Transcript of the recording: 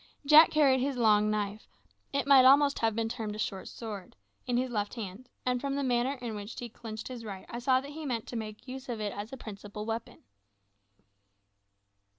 Jack carried his long knife it might almost have been termed a short sword in his left hand, and from the manner in which he clinched his right I saw that he meant to make use of it as his principal weapon.